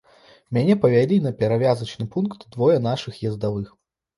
Мяне павялі на перавязачны пункт двое нашых ездавых.